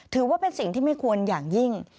ถือว่าเป็นสิ่งที่ไม่ควรอย่างยิ่ง